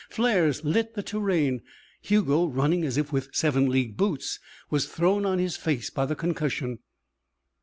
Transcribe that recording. Flares lit the terrain. Hugo, running as if with seven league boots, was thrown on his face by the concussion.